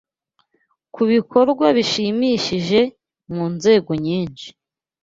ku bikorwa bishimishije mu nzego nyinshi